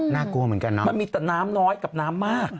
กลัวเหมือนกันนะมันมีแต่น้ำน้อยกับน้ำมาก